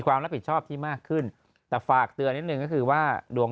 ความรับผิดชอบที่มากขึ้นแต่ฝากเตือนนิดนึงก็คือว่าดวง